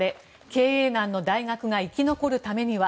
経営難の大学が生き残るためには？